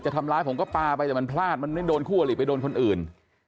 ทำร้ายผมก็ปลาไปแต่มันพลาดมันไม่โดนคู่อลิไปโดนคนอื่น